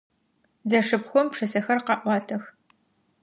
Зэшыпхъухэм пшысэхэр къаӏуатэх.